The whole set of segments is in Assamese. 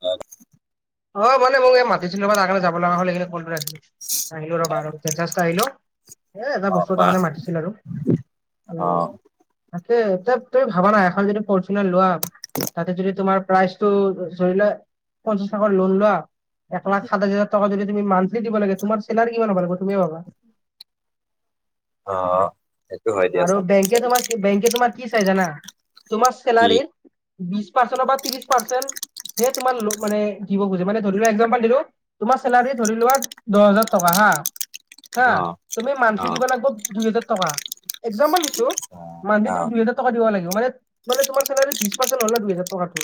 অ' অ' মানে মোক মাতিছিলি ত' আ, যাব লগা হ'ল সেইকাৰনে কাটি দিলোঁ। আহিলোঁ ৰ'বা ৰ' পঞ্চাছটা আহিল'। এ, এটা বস্তু এটাৰ বা কাৰণে মাতিছিল আৰু, অ উম। তাকে ত' তুমি ভাবানা এখন যদি ফৰ্চুনাৰ লোৱা তাতে যদি তোমাৰ প্ৰাইচটো ধৰি লোৱা পঞ্চাছ টকাৰ লোন লোৱা, এক লাখ সাতাইছ হাজাৰ টকা যদি তোমাৰ মন্থলী দিব লাগে, তোমাৰ চেলাৰি কিমান হ'ব তুমি ভাবা। অ'। হয় আৰু দিয়াচোন বেংকে বেংকে তোমাৰ কি চাই জানা, তোমাৰ কি চেলাৰীৰ বিছ পাৰ্চেণ বা ত্ৰিশ পাৰ্চেণ্ট সেই তোমাৰ মানে দিব খুজে, মানে ধৰি লোৱা এক্সাম্পল দিলোঁ তোমাৰ চেলাৰী ধৰি লোৱা দহ হাজাৰ টকা হা। হা, অ তুমি মান্থলি অ দিব লাগিব দুই হাজাৰ টকা, একজাম্পল দি ছো অ মান্থলি অ তুমি দু হেজাৰ টকা দিব লাগিব মানে তোমাৰ চেলাৰী বিছ পাৰ্চেণ্ট হ'লে দুই হেজাৰ টকাটো।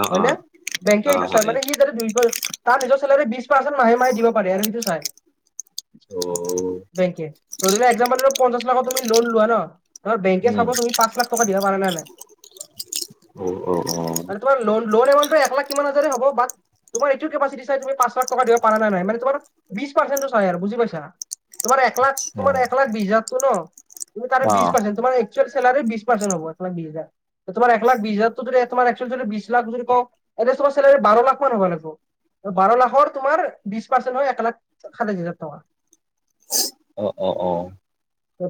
অ হয়নে, বেংকে অ এইটো চাই হয় মানে হে যাতে দুই, তাৰ নিজৰ চেলাৰী বিছ পাৰ্চেণ্ট মাহে মাহে দিব পাৰে আৰু সেইটো চাই। অ'। বেংকে, ধৰি লোৱা এক্সাম্পুল ললোঁ পঞ্চাশ লাখৰ তুমি লোন লোৱা ন' বেংকে উম চাব তুমি পাঁচ লাখ টকা দিব পাৰা না নাই। অ', অ', অ'। মানে তোমাৰ লোন এমাউনটো এক লাখ কিমান হাজাৰে হ'ব বাট তোমাৰ এইটো কেবছিডি চাই তুমি পাঁচ লাখ টকা দিব পাৰা নে নাই, মানে তোমাৰ বিছ পাৰ্চেনটো চাই বুজি পাইছা? তোমাৰ এক লাখ, তোমাৰ এক লাখ বিছ হাজাৰটো ন' তুমি তাৰে অ বিছ পাৰ্চেন্ট তোমাৰ চেলাৰীৰ বিছ পাৰ্চেণ্ট হ'ব বিছ হাজাৰ। তোমাৰ এক লাখ বিছ হাজাৰতো যদি তোমাৰ যদি বিছ লাখ যদি কওঁ এতিয়া তাৰ চেলাৰি বাৰ লাখমান হ'ব লাগব। বাৰ লাখৰ তোমাৰ বিছ পাৰ্চেন্ট হৈ এক লাখ সাতাইছ হাজাৰ টকা। অ', অ', অ'।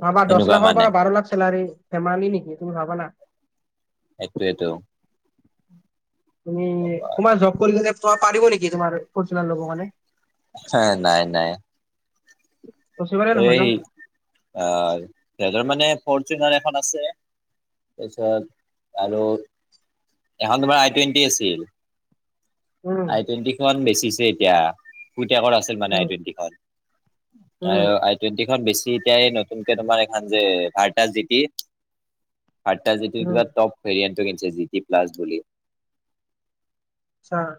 ভাবা দহ সেনেকুৱা মানে লাখৰপৰা বাৰ লাখ চেলাৰী, ধেমালি নেকি তুমি ভাবানা। সেইটোৱেতো। তুমি, তোমাৰ জব কৰি তোমাৰ পাৰিব নেকি তোমাৰ ফৰ্চুনাৰ ল'ব কাৰনে? হে, নাই নাই। পচিবলে নহয় এই, ন। সিহঁতৰ মানে ফৰচুনাৰ এখন আছে তাৰপিছত আৰু এখন তোমাৰ আই টুৱেণ্টি আছিল। আই টুৱেণ্টিখন বেচিছে এতিয়া, পুতেকৰ আছিল মানে আই টুৱেণ্টিখন। আৰু আই টুৱেণ্টি খন বেছি এতিয়া, নতুনকে তোমাৰ এইখন যে, ভাৰ্তা জিতি ভাৰ্তা জিতি কিবা টপ ভেৰিয়েনটো কিনিছে জিটি প্লাছ বুলি। ছাৰ।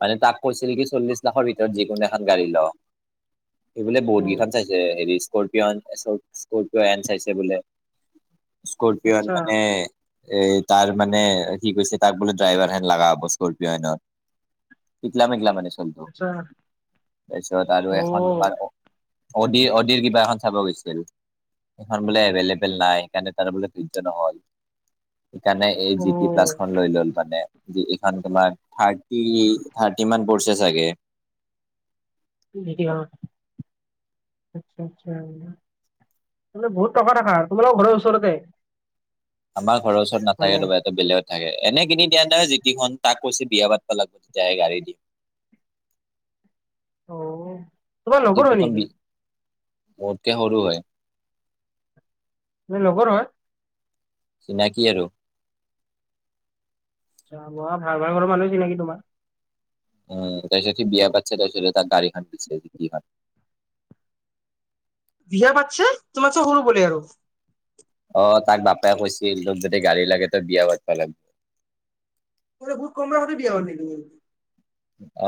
মানে তাক কৈছিল কি, চল্লিশ লাখৰ ভিতৰত যিকোনো এখন গাড়ী ল', সিবোলে বহুত কেইখন চাইছিল। যে হেৰি স্কৰপিঅ' এন, তাছত স্কৰপিঅ' এন চাইছে বোলে। স্কৰপিঅ' এন মানে এই তাৰ মানে কি কৈছে, তাক বোলে ড্ৰাইভাৰ হেন লগা হ'ব স্কৰপিঅ' এনত। পিকলা-মেগলা মানে চলটো তাৰপিছত আৰু এখন তোমাৰ অ'ডি, অ'ডিৰ কিবা এখন চাব গৈছিল। সেইখন বোলে এভেইলেবেল নাই, সেইকাৰণে তাৰ বোলে ধৈৰ্য নহ'ল। সেইকাৰণে এই জি টি প্লাছখন লৈ ল'ল মানে, এইখন তোমাৰ থাৰ্ড। কি, থাৰ্টি মান পৰিছে চাগে। [unintelligible] আচ্ছা, আচ্ছা, বহুত টকা থকা তোমালোকৰ ঘৰত ওচৰতে। আমাৰ ঘৰ ওচৰত মানে নথাকে, এটো বেলেগত থাকে। এনে কিনি দিয়া নাই জিতিখন। তাক কৈছে, বিয়া পাতব লাগ তেতিয়াহে গাড়ী দিম। অ'। তোমাৰ সি লগৰ হয় নেকি প্ৰথম বি, মোতকে সৰু হয়। লগৰ হয়। চিনাকি আৰু। জানোঁ আ, ভাল, ভাল ঘৰৰ মানুহ চিনাকি তোমাৰ। উম, তাৰপিছত সি বিয়া পতিছে, তাৰপিছতহে ডাইৰেক্ট হাত দিছে জীতি খন। বিয়া পাতছে, তোমাতচে সৰু বোলে আৰু। অ', তাক বাপা কৈছিল, তোক যদি গাড়ী লাগে তই বিয়া পাতবা লাগিব। বহুত কম বয়সতে বিয়া হ'ল দেখোন।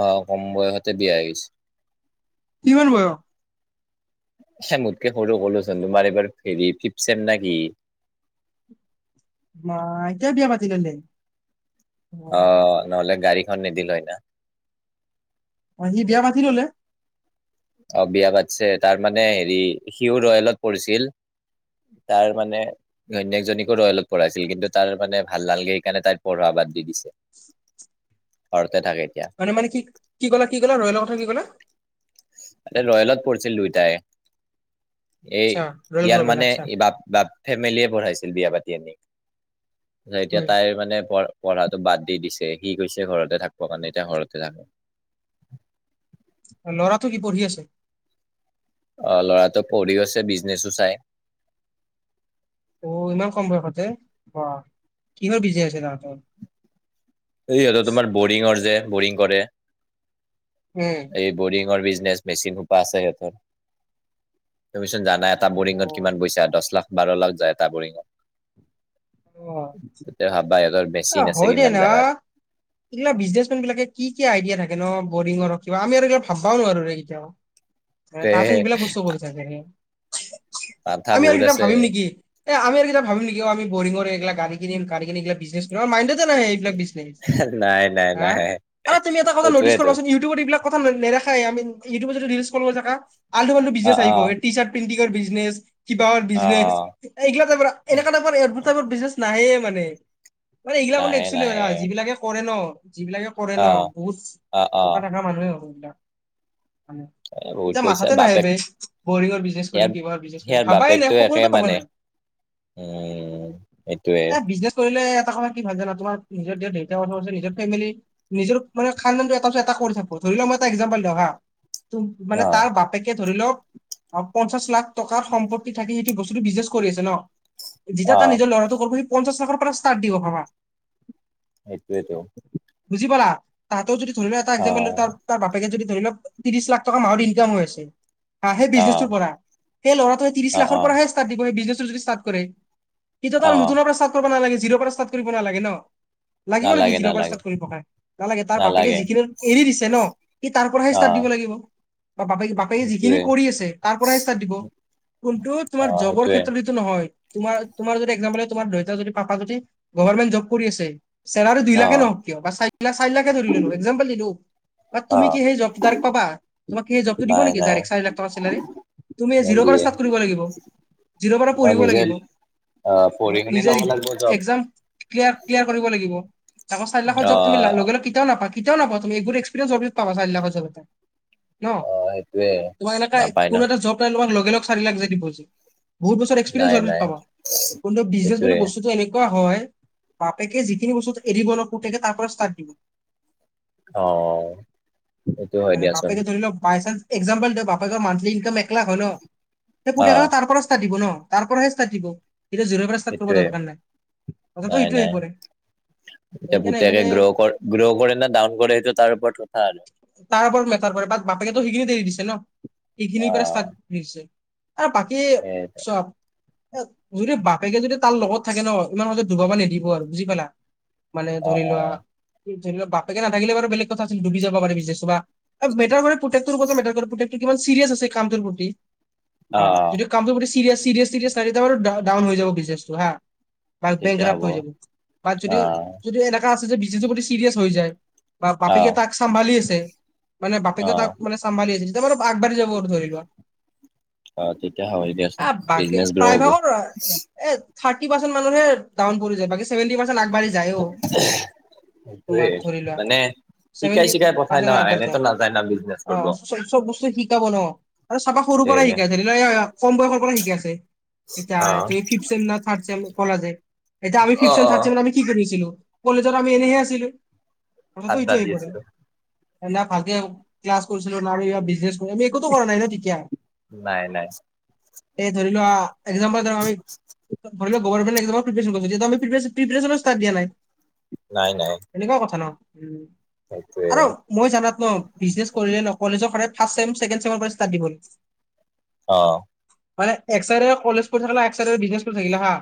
অ', কম বয়সতে বিয়া হৈছে। কিমান বয়স? মোতকে সৰু ক'লোচোন, তোমাৰ এইবাৰ হেৰি ফিফ্ট ছেম নে কি? মা, এতিয়াই বিয়া পাতি ল'লে। অ', নহ'লে গাড়ীখন নিদিল হয় না। অ', সি বিয়া পাতি ল'লে। অ', বিয়া পাতিছে, তাৰ মানে হেৰি সিও ৰয়েলত পঢ়িছিল। তাৰ মানে ঘৈনেক জনীকো ৰয়েলত পঢ়াইছিল, কিন্তু তাৰ মানে ভাল নালাগে, সেইকাৰণে তাইৰ পঢ়োৱা বাদ দি দিছে। ঘৰতে থাকে এতিয়া। মানে, মানে কি, কি কলা, কি কলা ৰয়েলৰ কথা কি কলা। ৰয়েলত পঢ়িছিল দুইটাই। এই আচ্ছা ৰয়েল ইয়াৰ গ্ল'বেল মানে আচ্ছা ই বাপ বাপ ফেমিলিয়ে পঢ়াইছিল বিয়া পাতি আনি। উম এতিয়া তাইৰ মানে পঢ় পঢ়াতটো বাদ দি দিছে। সি কৈছে ঘৰতে থাকব মানে এতিয়া ঘৰতে থাক ল'ৰাটো কি পঢ়ি আছে? অ', ল'ৰাটো পঢ়িও আছে, বিজনেচো চাই। অ', ইমান কম বয়সতে, বাহ, কিহৰ বিজিনেজ আছে তাহাঁতৰ? এই সিহঁতৰ তোমাৰ বৰিঙৰ যে, বৰিং কৰে। উম। এই বৰিঙৰ বিজনেচ, মেচিন সোপা আছে সিহঁতৰ, তুমি চোন জানাই। এটা অ বৰিঙত কিমান পইচা, দহ লাখ, বাৰ লাখ যায় এটা বৰিঙত। অ তে ভাবা সিহঁতৰ মেচিন আছে কিমান জেগাত। এইগিলাক বিজনেচমেন বিলাকে কি, কি আইডিয়া থাকে ন, বৰিঙৰ কিবা। আমি এইগিলাক ভাববাও নোৱাৰোঁ কেতিয়াও। তে ততে সেইবিলাক বস্ত কৰিছে যে, মাথা আমি আৰু বহুত সেইবিলাক আছে ভাবিম নেকি? এমি আৰু কিব ভাবি নেকি আমি বৰিংৰ এইগিলাগ গড়ী কিনিম, গড়ী কিনি কেনে বিজনেজ কৰিম মাইণ্ডত নাহে এইবিলাক বিজনেজ নাই নাই নাই আহ, তুমি এটা কথা ন'টিচ সেইটোয়েতো কৰবাচোন? ইবত এইবাক কথা নেদেখাই আমি ইটিউবত যদি ৰিলচ বনাই থকা আলটো ফাল্টু অ বিজনেছ অ আহিব। টি চাৰ্ট প্ৰিণ্টিঙৰ বিজনেছ, কিবৰ অ বিজনেচ এইগিলা টাইপৰ এনেকুৱ টাইপৰ নাহে মানে-মানে এইগিলাক মানুহ নাহে একচুৱেলি হয় নাহে যিবিলাকে কৰে ন যিবিলাকে কৰে ন অ বহুত অ অ টকা থকা মানুহে হ'ব এইবিলাক। এ বহুত এতিয়া পইচা মাথাতে নাহিব বাপেক বে বৰিঙৰ বিজনেছ কৰিম সেয়াৰ কিবা বিজনেজ কৰিম। সেয়াৰ ভাবাই বাপেকটো নাই, একে সপোনতে ভাবা মানে নাই। উম, সেইটোৱে এ বিজনেছ কৰিলে এটা কথা কি ভাল জানা? তোমাৰ নিজৰ দেউতা বছৰছে নিজৰ ফেমিলি নিজৰ মানে খানদান এটা পৰা এটা কৰি থাকবো। ধৰি ল মই এটা এক্জাম্পল দিওঁ হা ত মানে অ তাৰ বাপ তে ধৰি লওক পঞ্চাশ লাখ টকাৰ সম্পত্তি থাকি সেইটো বস্তুটো বিজনেজ কৰি আছে ন। যেতিয়া অ তাৰ নিজৰ ল'ৰাটো কৰিব সি পঞ্চাশ লাখৰ পৰা ষ্টাৰ্ট দিব ভাবা। সেইটোৱেইটো। বুজি পালা, তাতেও যদি ধৰি ল এটা অ এক্সাম্পল তাৰ তাৰ বাপেকে যদি ধৰি লওক ত্ৰিশ লাখ টকা মাহত ইনকাম হৈ আছে। হা সেই অ বিজনেছটোৰ পৰা সেই ল'ৰাটো সেই ত্ৰিশ অ অ লাখৰ পৰাহে ষ্টাৰ্ট দিব, সেই বিজনেছটো যদি ষ্টাৰ্ট কৰে। কিন্তু অ তাৰ নতুনৰ পৰা ষ্টাৰত কৰিব নালাগে, জিৰ পৰা ষ্টাৰ্ট কৰিব নালাগে ন, লাগিব নেকি নালাগে জিৰ' পৰা নালাগে ষ্টাৰ্ট কৰিব কাৰনে। নালাগে তাৰ বাপেকে যিখিনি এৰি দিছে ন' সি তাৰ পৰাহে অ ষ্টাৰ্ট দিব লাগিব। বা বাপে-বাপে যিখিনি সেইটোৱে কৰি আছে তাৰ পৰাহে ষ্টাৰ দিব কিন্তু অ তোমাৰ জগৰ সেইটোৱে ক্ষেত্ৰত নহয় তোমাৰ-তোমাৰ যদি এক তোমাৰ দেউতা যদি পাপা যদি গভমেন্ট জব কৰি আছে। চেলাৰ দুই অ লাখে নহওক কিয়, বা চখ চাৰিলাখে ধৰিললো এক্জাম্পল দিলো। বা অ তুমি কি সেই জবটোক পাবা, তোমাক সেই জবটো দিব নাই নেকিক নাই চাৰি লাখ টকা চেলাৰীৰ। তুমি জিৰ' পৰা নিদিয়ে ষ্টাৰ্ট কৰিব লাগিব, জিৰ' পৰা মই পঢ়িব নিজে লাগিব। আহ পঢ়ি শুনি নিজে ল'ব লাগিব জব একজাম ক্ল ক্লিয়াৰ কৰিব লাগিব, আকৌ চাৰি লাখৰ জব তুমি আহ লগে-লগে, কেতিয়াওঁ নাপা কেতিয়াও নাপা তুমি এইবোৰ এক্সপৰিয়েনচ হোৱাৰ পিছত পাবা চাৰিলাখ চেলাৰী। ন অ সেইটোৱে তোমাৰ এনেকা নাপায় ন কোনো এটা জব নাই, তোমাক লগা লগ চাৰি লাখ যে দিব যে। বহুত বছৰ নাই এক্সপিৰিয়েন্ঞ্চ হয় নাই পাব কিন্তু বিজনেছ সেইটোৱে বুলি বস্তুটো এনেকুৱা হয়, বাপেকে যিখিনিস্তু এৰিব ন' পুতেকে তাৰ পৰা ষ্টাৰ্ট দিব। অ সেইটো হয় মানে দিয়াচোন বাপেক ধৰিল বাইচান্স একজাম্পল দে বাপেকৰ মান্থলি ইনকাম এক লাখ হয় ন' সেই অ পুতেক তাৰ পৰা ষ্টাৰত দিব ন। তাৰ পৰাহে ষ্টাৰ্ট দিব এতিয়া জিৰৰ পৰা ষ্টাৰ্ট কৰিব সেইটোৱে দৰকাৰ নাই, কথাটো নাই সেইটো নাই আহি পৰে। এতিয়া সেইকাৰণে পুতেকে মানে গ্ৰ' গ্ৰ' কৰে নে ডাউন কৰে সেইটো তাৰ ওপৰত কথা আৰু। তাৰ ওপৰত মেটাৰ কৰোক বাপেকেতো সেইখিনি দেৰি দিছে ন' সেইখিনিৰ অ পৰা ষ্টাৰ্ট দিছে। আৰু বাকী সেইটো, চোৱা, যদি বাপেকে যদি তাৰ লগত থাকে ন' ইমান সহজত ধুবাবা নিদিব আৰু বুজি পালা। মানে অ ধৰি অ লোৱা ধৰি লোৱা বাপেকে নাথাকিলে বাৰু বেলেগ কথা আছিল ডুবি যাব পাৰি বিজনেচ টো বা। মেটাৰ কৰে পুতেক তেওঁৰ ওপৰত মেটাৰ কৰে পুতেক কিমান চিয়াছ আছে কামটোৰ প্ৰতি, অ অ যদি কামটোৰ প্ৰতি ছিৰিয়াছ-ছিৰিয়াছ ঠাকে ন' ডাউন হৈ যাব বিজনেছটো হা, বা বেংক তেতিয়া হ'ব ক্ৰাপ হৈ যাব। বা অ যদি-যদি এনেকা আছে যে বিজনেজ প্ৰতি চিৰিয়াছ হৈ যায়, বা অ বাপেকে তাক তাক চম্ভালি আছে মানে অ বাপেকে তাক মানে চম্ভালি আছে যেতিয়া মানে আগবাঢ়ি যাব আৰু ধৰি লোৱা। অ, তেতিয়া হয় দেয়াচোন আহ বাকী বিজনেচ গ্ৰ' হ'ব। প্ৰায়ভাগৰ এ থাৰ্টি পাৰ্চেণ্ট মানুহে ডাউন পৰি যায়, বাকী ছেভেণ্টি পাৰ্চেণ্ট আগবাঢ়ি যায়ও। তোমাৰ সেইটোৱেই, ধৰি লোৱা মানে শিকাই ছেভেন্টি চিকাই পঠাই পাৰ্চেণ্ট ন' আগবাঢ়ি যায় এনেতো নাজায় ন' বিজনেচ অ কৰিব। চব চব বস্তু শিকাব ন আৰু চাবা সৰুৰ পৰাই সেয়ে শিকাইছে কম বয়সৰ পৰা শিকাই আছে ইটা। অ শিনা থ্ৰাদ ছেম কলা যে, ইটা থ্ৰাদ অ ছেম অ ফিভ ছেম আমি কি কৰিছিলো কলেজত আমি এনেহে আছিলো কথাটো আড্ডা এইটোয় দি আহি পৰে। আছিলো এ ভালকে ক্লাছ কৰিছিলো না বিজনেছ, আমি একোতো কৰা নাই ন' তেতিয়া, নাই নাই। এই ধৰি লোৱা এক্সাম্পল ধৰ আমি [inaudible] ধৰি ল' গভাৰমেণ্ট এক্সামৰ প্ৰিপাচন কৰিছোঁ যেতিয়াতো আমি প্ৰিপ্ৰেচনো ষ্টাৰ্ট দিয়া নাই। নাই নাই। এনেকুৱাও কথা ন' উ, সেইটোৱে আৰু মই জানাত ন' বিজনেছ কৰিলে ন' কলেজৰ সদাই ফাৰ্ষ্ট ছেম, চেকেণ্ড ছেমৰপৰা ষ্টাৰ্ট দিব অ'। মানে এক চাইডে কলেজ পঢ়ি থাকলা এক চাইডে বিজনেচ কৰি থাকিলা হা,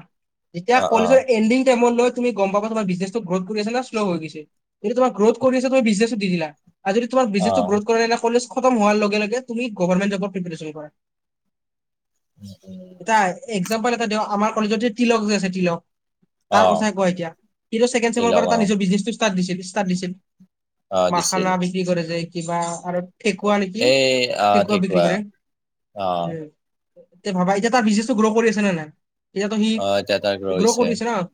যেতিয়া অ অ কলেজৰ এণ্ডিং টাইমত ন' তুমি গম পাব তোমাৰ বিজনেছটো গ্ৰথ কৰি আছে নে শ্ল হৈ গৈছে, যদি তোমাৰ গ্ৰথ কৰি আছে তুমি বিজনেছটো দি দিলা। আৰু যদি তোমাৰ অ বিজনেছ গ্ৰথ কৰা নাই তেন্তে কলেজ খতম হোৱাৰ লগে লগে তুমি গভাৰমেট জবৰ প্ৰিপাৰেচন কৰা। উম, উ এটা এক্সাম্পল এটা দিও, আমাৰ কলেজত যে তিলক যে আছে তিলক অ তাৰ কথাই কোৱা এতিয়া, সিতো চেকেণ্ড তিলক ছেমৰপৰা অ নিজৰ বিজনিচটো ষ্টাৰ্ট দিছিল, ষ্টাৰ্ট দিছিল। অ দিছিল মাখানা বিক্ৰী কৰে যে কিবা আৰু ঠেকুৱা নেকি, এই আহ ঠেকুৱা বিক্ৰী ঠিকুৱা কৰে, অ উম। এতিয়া ভাবা, এতিয়া তাৰ বিজনেছটো গ্ৰ' কৰি আছে নে নাই? এতিয়াতো সি, অ এতিয়া তাক গ্ৰ' ৰৈছে কৰিছে ন'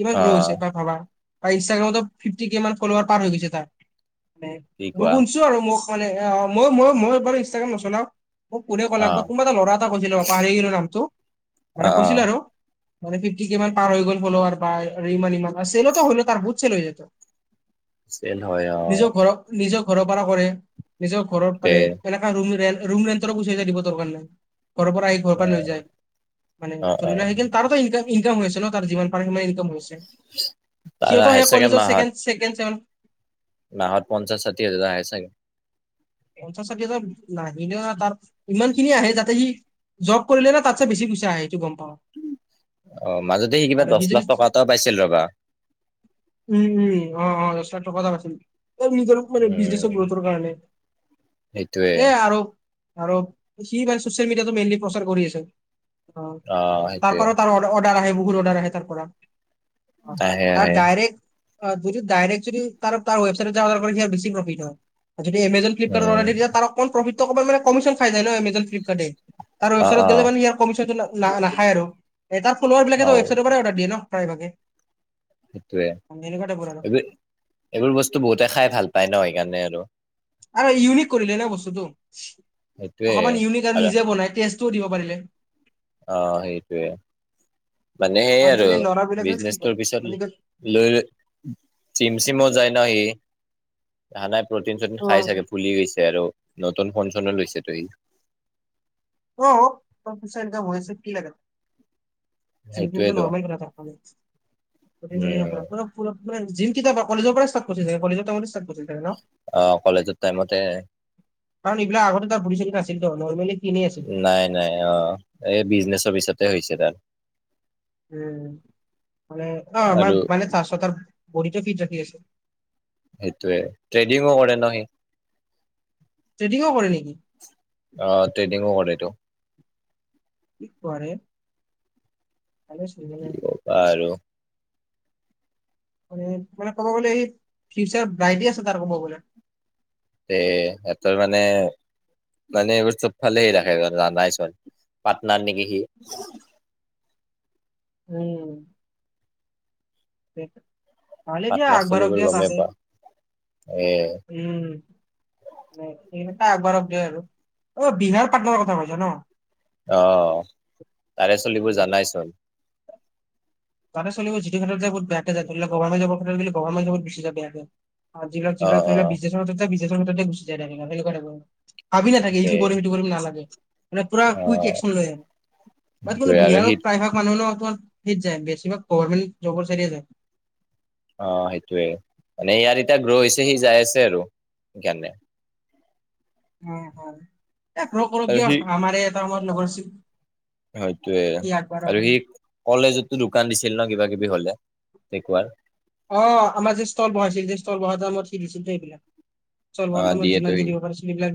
কিমান অ গ্ৰ' হৈছে তাৰ ভাবা। বা ইনষ্টাগ্ৰামতো ফিফটি কে মান ফলোৱাৰ পাৰ হৈ গৈছে তাৰ। কি মই কোৱা শুন ছো আৰু মোক মানে, মই-মই-মই বাৰু ইনষ্ট্ৰাগ্ৰাম নচলাওঁ। মোক কোনে অ ক'লাক বা কোনোবা এটা ল'ৰা এটা কৈছিলে পাহৰি গিলো নামটো, অ মানে অ কৈছিল আৰু। মানে ফিফটি কেমান পাৰ হৈ গল ফলৱাৰ বা ইমান ইমান চেলো হ'ল ত' বহুত চেল হৈ যাই ত'। চেল হয় অ নিজৰ ঘৰক, নিজৰ ঘৰৰপৰা কৰে, নিজৰ ঘৰত তে মানে এনে মা ৰুম ৰেন, ৰুম ৰেণ্টৰো গুচি যাই দিব দৰকাৰ নাই, ঘৰৰপৰা আহি অ ঘৰৰপৰা লৈ যায়। মানে, অ অ ধৰি লোৱা সেইখিনি তাৰেতো ইনকাম হৈছে ন' তাৰ যিমান পাৰে সিমান ইনকাম হৈছে। তাৰ সিহঁত আহে সেই চাগে কলেজত মাহত ছেকেড চেকেণ্ড ছেম। মাহত পঞ্চাছ ষাঠি হাজাৰ মান আহে চাগে। পঞ্চাছ ষাঠি হাজাৰ নাহিলেওঁ তাৰ ইমানখিনি আহে যাতে সি জব কৰিলে না তাতচে বেছি পইচা আহে এইটো গম পাওঁ। অ' মাজতে সি কিবা আৰু দহ যদি লাখ টকা এটা পাইছিল ৰবা। উম, উম, অ', অ' দহ লাখ টকা এটা পাইছিল, এ, নিজৰ মানে উম বিজনেছৰ গ্ৰথৰ কাৰণে। সেইটোৱে এ, আৰু আৰু সি মানে চচিয়েল মিডিয়াটো মেইনলি প্ৰচাৰ কৰি আছে। অ' তাৰপৰাও তাৰ অৰ্ডাৰ আহে, বহুত অৰ্ডাৰ আহে তাৰপৰা। অ' আহে আৰু আহে ডাইৰেক্ট অ' যদি ডাইৰেক্ট যদি তাৰ তাৰ ৱেবছাইট অৰ্ডাৰ কৰে সি বছি প্ৰফিট হয় যদি এমেজন ফ্লিপকাৰ্টত উম অৰ্ডাৰ দি দিয়ে তাৰ অকণ প্ৰফিটটো অকণমান কমিচন খাইা যায় ন' এমেজন ফ্লিপকাৰ্টে। তাৰ অ ৱেছাইটত অ গলে মানে ইয়াৰ কমিচনটো নাখাই আৰু তাৰ ফলৱাৰবিলাকে অ ৱেবছাইটৰপৰাই অৰ্ডাৰ দিয়ে ন'। প্ৰাইভাগে। সেইটোৱে। আৰু। এইবো এইবোৰ বস্তু বহুতে খাই ভাল পায় ন' সেইকাৰণে আৰু। আৰু ইউনিক কৰিলে ন' বস্তুতটো, সেইটোয়ে অকমান ইউনিক আৰু নিজে বনাই, টেষ্টও দিব পাৰিলে। অ' সেইটোৱে, মানে সেই আৰু আজিকালি ল'ৰাবিলাকে কি কৰে বিজনেচটোৰ পিছত আজিকালি লৈ জিম চিমো যায় ন' সি? হা, নাই প্ৰটিন চটিন খাই চাগে, অ ফুলি গৈছে আৰু নতুন ফন চনো লৈছেতো ই। অ' প্ৰচেছাৰ একদম হৈছ কি লাগে জিম চিমতো সেইটোয়েতো নৰ্মেল কথা তাৰ কাৰনে [unintelligible] স্কুলত উম মানে জিম কেতিয়াৰপৰা, কলেজৰপৰা ষ্টাৰ্ট কৰিছিল ছাগে কলেজত থাকোঁতে ষ্টাৰ্ট কৰিছিল ছাগে ন'? অ' কলেজত টাইমতে কাৰণ এইবিলাক আগতে তাৰ বডি চডি নাছিলতো নৰ্মেলি খিনেই আছিল নাই নাই অ'। এই বিজনেচৰ পিছতে হৈছে তাৰ। উম, মানে অ' আৰু আমাৰ মানে ফাষ্টত তাৰ বডিটো ফিট ৰাখি আছে। সেইটোৱে, ট্ৰেডিঙো কৰে ন সি! ট্ৰেডিংও কৰে নেকি? অ', ট্ৰেডিংও কৰেটো। কি কোৱা ৰে! ভালে [unintelligible] বাৰু। মানে ক'ব গ'লে সি ফিউচাৰ ব্ৰাইটে আছে তাৰ ক'ব গ'লে। তে' সেহঁতৰ মানে মানে এইবোৰ চবফালে ৰাখে [unintelligible] চোন পাটনাৰ নেকি সি! উম। ভাল দিয়া, পাটনাৰ আগবাঢ়ক চলিবোৰ দিয়া গমেই ভালেই। পোৱা এ উম, সেন- সেনেকে আগবাঢ়ক দিয়া আৰু অ', বিহাৰ পাটনাৰ কথা কৈছা ন! অ', তাৰে চলিব উম। জানাইচোন! [inaudible] [inaudible] অ অ ভাবি নাথাকে তে ইটো কৰিম, সিটো কৰিম নালাগে। মানে পুৰা অ কুইক একচন লয় আহ, বাত কোনো সেইটোৱে আৰু বিহাৰৰ সি প্ৰায়ভাগ মানুহে [unintelligible] যায় বে বেছিভাগ গভমেণ্ট জবৰ চাইডে যায়। অ', সেইটোয়ে। মানে ইয়াৰ এতিয়া গ্ৰ' হৈছে সি যায় আছে আৰু সেইকাৰণে। উম, উম, [unintelligible] কৰক আৰু সি দিয়ক আমাৰে এটা সময়ত লগৰ আছিল। হৈটোৱেই সি আগবঢ়াব। আৰু সি কলেজতো দোকান দিছিল ন, কিবা কিবি হ'লে [unintelligible] অ', আমাৰ যে ষ্টল বহাইছিল যে ষ্টল বহা টাইমত সি দিছিলে এইবিলাক। ষ্টল অ বহা টাইমত দিয়েতো যিমান যি সি দিব পাৰিছিল সেবিলাক